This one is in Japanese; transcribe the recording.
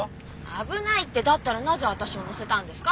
「危ない」ってだったらなぜ私を乗せたんですか？